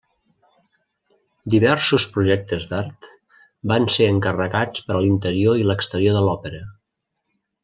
Diversos projectes d'art van ser encarregats per a l'interior i l'exterior de l'òpera.